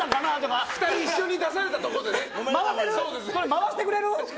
それ回してくれる？